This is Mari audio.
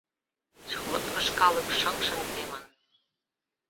Сходкыш калык шыҥ-шыҥ темын.